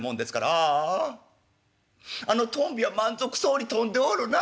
「あああのトンビは満足そうに飛んでおるな。